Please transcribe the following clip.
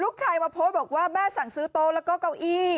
มาโพสต์บอกว่าแม่สั่งซื้อโต๊ะแล้วก็เก้าอี้